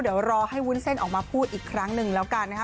เดี๋ยวรอให้วุ้นเส้นออกมาพูดอีกครั้งหนึ่งแล้วกันนะคะ